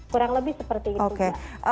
kurang lebih seperti itu